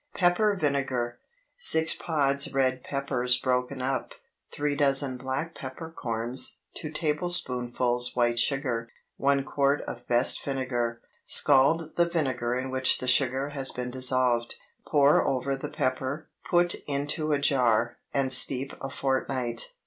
PEPPER VINEGAR. 6 pods red peppers broken up. 3 dozen black pepper corns. 2 tablespoonfuls white sugar. 1 quart of best vinegar. Scald the vinegar in which the sugar has been dissolved; pour over the pepper, put into a jar, and steep a fortnight.